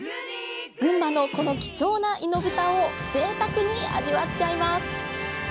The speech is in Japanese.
群馬のこの貴重な猪豚をぜいたくに味わっちゃいます！